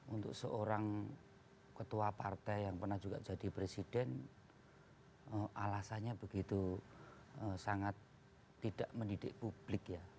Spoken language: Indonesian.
untuk seorang ketua partai yang pernah juga jadi presiden alasannya begitu sangat tidak mendidik publik ya